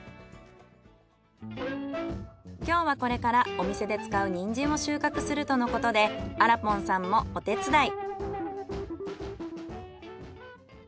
今日はこれからお店で使うニンジンを収穫するとのことであらぽんさんもお手伝い。